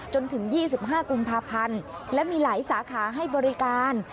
จนถึงยี่สิบห้ากรุงภาพันธ์และมีหลายสาขาให้บริการ